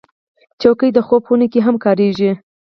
چوکۍ د خوب خونه کې هم کارېږي.